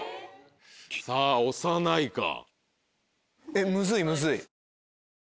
さぁ押さないか？